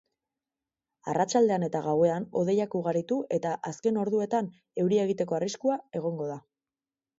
Arratsaldean eta gauean hodeiak ugaritu eta azken orduetan euria egiteko arriskua egongo da.